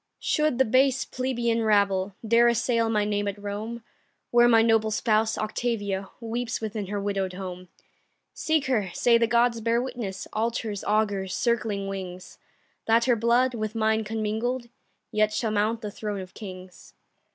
Should the base plebeian rabble Dare assail my name at Rome, Where my noble spouse, Octavia, Weeps within her widow'd home, Seek her; say the gods bear witness Altars, augurs, circling wings That her blood, with mine commingled, Yet shall mount the throne of kings.